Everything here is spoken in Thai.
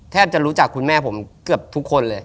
จะรู้จักคุณแม่ผมเกือบทุกคนเลย